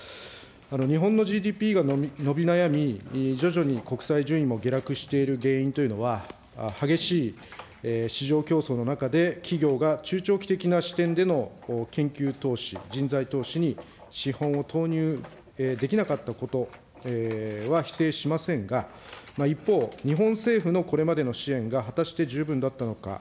日本のＧＤＰが伸び悩み、徐々に国際順位も下落している原因というのは、激しい市場競争の中で企業が中長期的な視点での研究投資、人材投資に資本を投入できなかったことは否定しませんが、一方、日本政府のこれまでの支援が果たして十分だったのか。